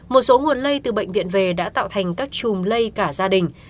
một số nguồn lây từ bệnh viện về đã tạo thành các chùm lây cả gia đình